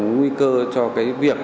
nguy cơ cho việc